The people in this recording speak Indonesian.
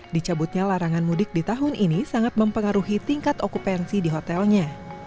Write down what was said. dicabutnya larangan mudik di tahun ini sangat mempengaruhi tingkat okupansi di hotelnya